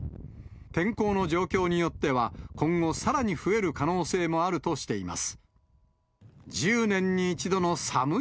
天候の状況によっては、今後、さらに増える可能性もあるとしています。